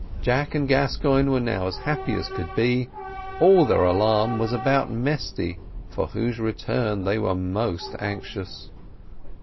Jack and Gascoigne were now as happy as could be; all their alarm was about Mesty, for whose return they were most anxious.